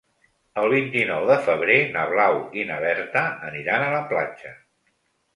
El vint-i-nou de febrer na Blau i na Berta aniran a la platja.